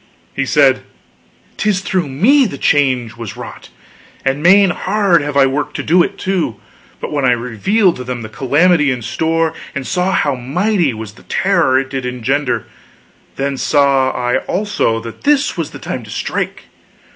He said: "Tis through me the change was wrought! And main hard have I worked to do it, too. But when I revealed to them the calamity in store, and saw how mighty was the terror it did engender, then saw I also that this was the time to strike!